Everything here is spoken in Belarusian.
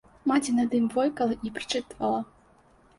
Маці над ім войкала і прычытвала.